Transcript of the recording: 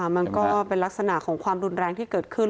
มันก็เป็นลักษณะของความรุนแรงที่เกิดขึ้น